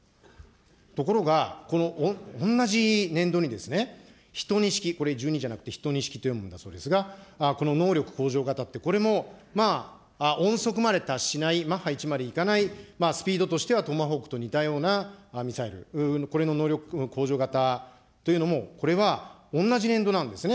ところが、この同じ年度に１２式、これじゅうにじゃなくて、ひとにしきとこの能力向上型って、これもまあ、音速まで達しない、マッハ１までいかないスピードとしてはトマホークと似たようなミサイル、これの能力向上型というのも、これは同じ年度なんですね。